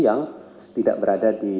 yang tidak berada di